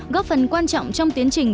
góp phần quan trọng trong tiến trình